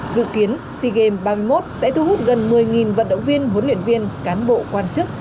dự kiến sea games ba mươi một sẽ thu hút gần một mươi vận động viên huấn luyện viên cán bộ quan chức